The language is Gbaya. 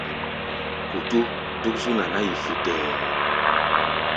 Kutu dúk zú naná-yi futɛɛ.